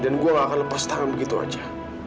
dan gue gak akan lepas tangan begitu aja